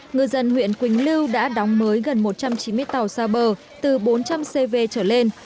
ngư dân huyện quỳnh lưu đã đóng mới gần một trăm chín mươi tàu xa bờ từ bốn trăm linh cv trở lên